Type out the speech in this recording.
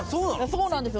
そうなんです